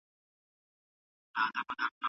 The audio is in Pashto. ایا مسلکي بڼوال وچ توت پروسس کوي؟